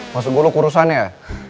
maksud gue lo kurusan ya